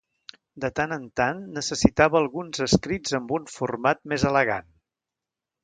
De tant en tant necessitava alguns escrits amb un format més elegant.